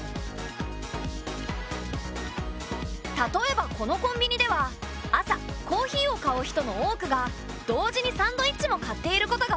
例えばこのコンビ二では朝コーヒーを買う人の多くが同時にサンドイッチも買っていることがわかった。